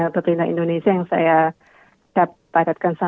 pemerintah indonesia yang saya